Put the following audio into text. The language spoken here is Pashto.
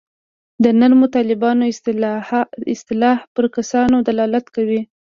د نرمو طالبانو اصطلاح پر کسانو دلالت کوي.